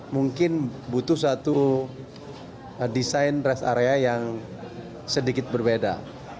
mungkin butuh satu desain rest area yang sedikit berbeda